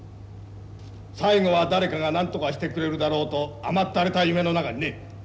最後は誰かがなんとかしてくれるだろうと甘ったれた夢の中にね！